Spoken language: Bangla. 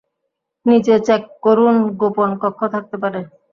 নীচে চেক করুন গোপন কক্ষ থাকতে পারে।